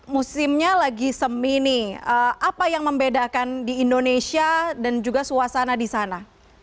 musimnya lagi semi nih apa yang membedakan di indonesia dan juga suasana di sana